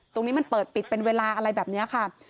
ตรงนี้มันเปิดปิดเป็นเวลาอะไรแบบนี้ค่ะ